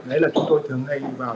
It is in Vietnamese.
đấy là chúng tôi thường hay vào